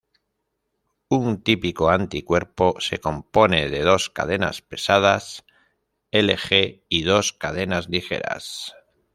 Un típico anticuerpo se compone de dos cadenas pesadas Ig y dos cadenas ligeras.